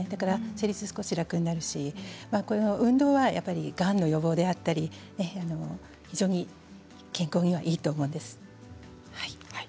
生理痛がすごく楽になるし運動は、がんの予防であったり非常に健康にはいいと思うんです。